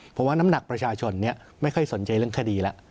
ผมว่าน้ำหนักประชาชนไม่ค่อยสนใจเรื่องคดีแล้ว